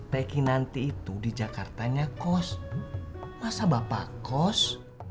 teh kinanti itu di jakartanya kos masa bapak kos